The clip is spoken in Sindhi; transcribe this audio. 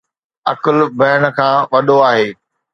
عقل بهن کان وڏو آهي